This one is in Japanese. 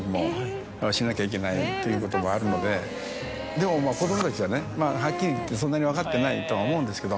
でも子どもたちははっきり言ってそんなに分かってないとは思うんですけど。